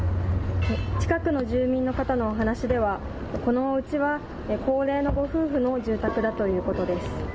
近くの住民の方のお話しでは、このおうちは、高齢のご夫婦の住宅だということです。